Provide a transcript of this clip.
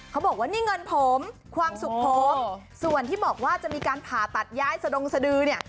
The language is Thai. เขาบอกว่านี่เงินผมความสุขผมส่วนที่บอกว่าจะมีการผ่าตัดย้ายสะดงสดือเนี่ย